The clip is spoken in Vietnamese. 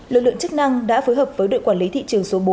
lực lượng chức năng đã phối hợp với đội quản lý thị trường số bốn